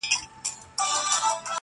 سیاه پوسي ده، ماشوم یې ژاړي